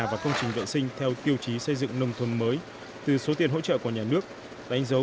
và công trình vệ sinh theo tiêu chí xây dựng nông thôn mới từ số tiền hỗ trợ của nhà nước đánh dấu